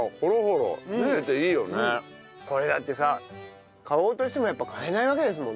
これだってさ買おうとしてもやっぱ買えないわけですもんね。